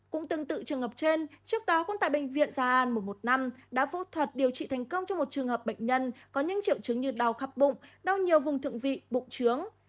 cũng tương tự trường hợp trên trước đó cũng tại bệnh viện gia an một trăm một mươi năm đã phẫu thuật điều trị thành công cho một trường hợp bệnh nhân có những triệu chứng như đau khập bụng đau nhiều vùng thượng vị bụng trướng